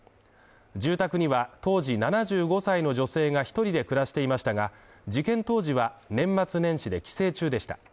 住宅には、当時７５歳の女性が１人で暮らしていましたが、事件当時は年末年始で帰省中でした。